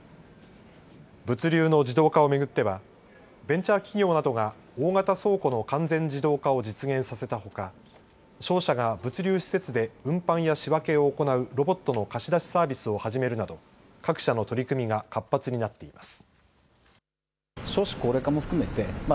物流の自動化を巡ってはベンチャー企業などが大型倉庫の完全自動化を実現させたほか、商社が物流施設で運搬や仕分けを行うロボットの貸し出しサービスを始めるなど各社の取り組みが活発になっています。